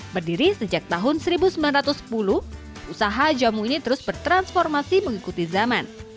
berdiri sejak tahun seribu sembilan ratus sepuluh usaha jamu ini terus bertransformasi mengikuti zaman